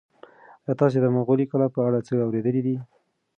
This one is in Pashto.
ایا تاسي د مغولي کلا په اړه څه اورېدلي دي؟